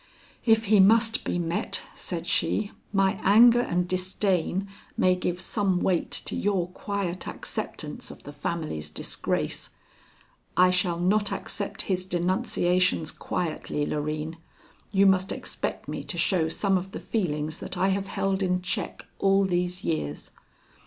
"If he must be met," said she, "my anger and disdain may give some weight to your quiet acceptance of the family's disgrace. I shall not accept his denunciations quietly, Loreen. You must expect me to show some of the feelings that I have held in check all these years."